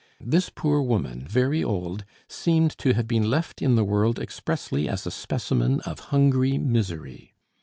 This poor woman, very old, seemed to have been left in the world expressly as a specimen of hungry misery.